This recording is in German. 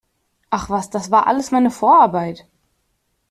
Ach was, das war alles meine Vorarbeit!